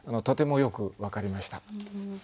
とてもよく分かりました。